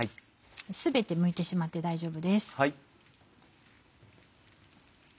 全てむいてしまって大丈夫です。